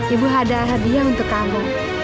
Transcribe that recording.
ibu ada hadiah untuk kamu